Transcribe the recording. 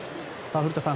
古田さん